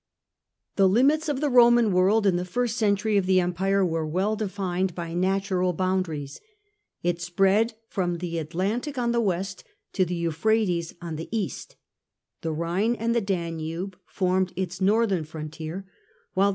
The limits of the Roman world in the first century of tne Empire were well defined by natural boundaries. It Thft frontiers spread from the Atlantic on the west to the well defined, Euphrates in the east. The Rhine and the ^^cce%ed Danube formed its northern frontier ; while byAugustus.